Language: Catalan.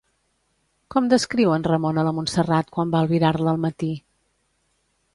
Com descriu en Ramon a la Montserrat quan va albirar-la al matí?